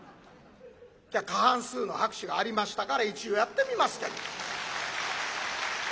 じゃあ過半数の拍手がありましたから一応やってみますけど。